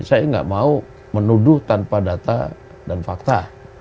saya nggak mau menuduh tanpa data dan fakta